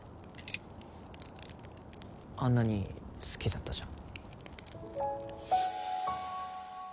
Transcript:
あんなに好きだったじゃん